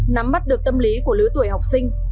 nắm mắt được tâm lý của lứa tuổi học sinh